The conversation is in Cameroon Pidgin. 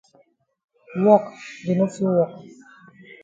Wok dey no fit wok.